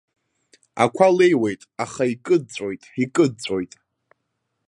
Ақәа леиуеит, аха икыдҵәоит, икыдҵәоит.